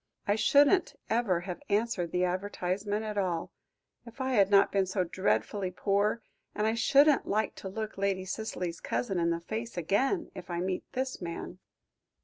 "I shouldn't ever have answered the advertisement at all, if I had not been so dreadfully poor, and I shouldn't like to look Lady Cicely's cousin in the face again if I met this man."